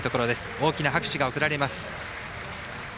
大きな拍手が送られます。